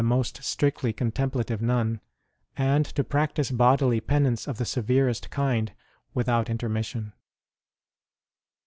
DOMINIC Q3 most strictly contemplative nun, and to practise bodily penance of the severest kind without intermission.